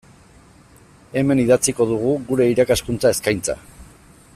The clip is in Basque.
Hemen idatziko dugu gure irakaskuntza eskaintza.